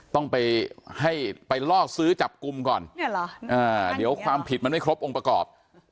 ต้องไปให้ไปล่อซื้อจับกลุ่มก่อนเดี๋ยวความผิดมันไม่ครบองค์ประกอบ